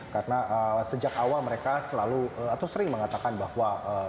karena sejak awal mereka selalu atau sering mengatakan bahwa